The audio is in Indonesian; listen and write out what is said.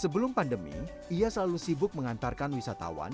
sebelum pandemi ia selalu sibuk mengantarkan wisatawan